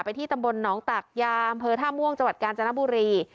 ไปที่ตำบลน้องตักยามเพอร์ท่าม่วงจังหวัดกาญจนบุรี